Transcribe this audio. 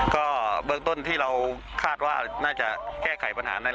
ก็เบื้องต้นที่เราคาดว่าน่าจะแก้ไขปัญหาได้